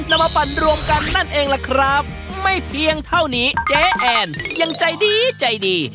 นำมาปั่นรวมกันนั่นเองล่ะครับไม่เพียงเท่านี้เจ๊แอนยังใจดีใจดี